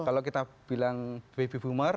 kalau kita bilang baby boomer